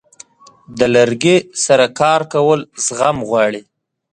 د لرګي سره کار کول زغم غواړي.